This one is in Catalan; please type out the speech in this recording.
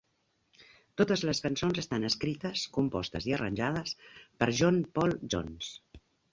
Totes les cançons estan escrites, compostes i arranjades per John Paul Jones.